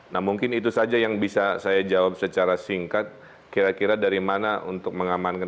nah mungkin itu saja yang bisa saya jawab secara singkat kira kira dari mana untuk mengamankan